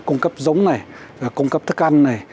cung cấp giống này cung cấp giống này